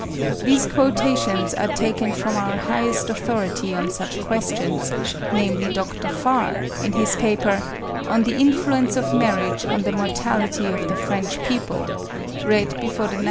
These quotations are taken from our highest authority on such questions, namely, Dr. Farr, in his paper 'On the Influence of Marriage on the Mortality of the French People,' read before the Nat.